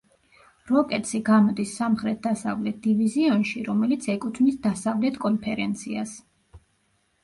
როკეტსი გამოდის სამხრეთ-დასავლეთ დივიზიონში, რომელიც ეკუთვნის დასავლეთ კონფერენციას.